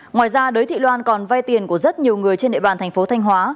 ngoài ra đới thị loan còn vay tiền của rất nhiều người trên địa bàn thành phố thanh hóa